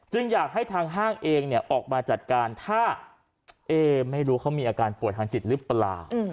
อยากให้ทางห้างเองออกมาจัดการถ้าไม่รู้เขามีอาการป่วยทางจิตหรือเปล่า